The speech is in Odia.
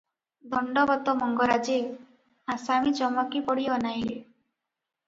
ଦଣ୍ତବତ ମଙ୍ଗରାଜେ!' ଆସାମୀ ଚମକି ପଡ଼ି ଅନାଇଲେ ।